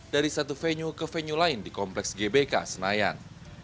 dari satu venue ke venue lain di kompleks gbk senayan